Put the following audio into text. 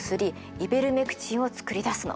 イベルメクチンを作り出すの。